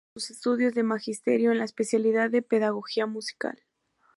Así como sus estudios de Magisterio, en la especialidad de Pedagogía Musical.